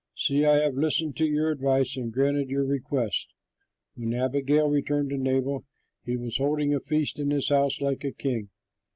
See, I have listened to your advice and granted your request." When Abigail returned to Nabal, he was holding a feast in his house like a king.